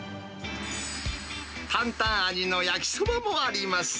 担々味の焼きそばもあります。